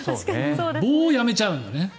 棒をやめちゃうんだね。